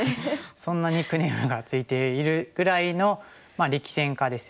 そんなニックネームが付いているぐらいの力戦家ですよね。